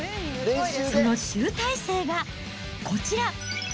その集大成がこちら。